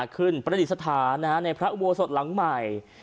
ขึ้นประดิษฐานในพระอบวโสตหลังใหม่